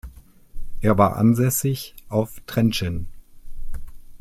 Er war ansässig auf Trentschin.